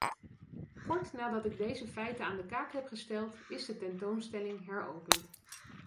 Kort nadat ik deze feiten aan de kaak heb gesteld is de tentoonstelling heropend.